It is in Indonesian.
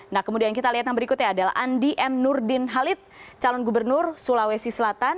nah kemudian kita lihat yang berikutnya adalah andi m nurdin halid calon gubernur sulawesi selatan